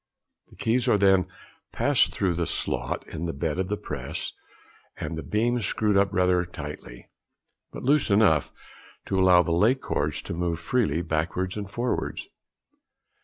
The keys are then passed through the slot in the bed of the "press," and the beam screwed up rather tightly; but loose enough to allow the lay cords to move freely |24| backwards or forwards.